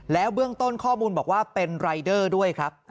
เบื้องต้นข้อมูลบอกว่าเป็นรายเดอร์ด้วยครับ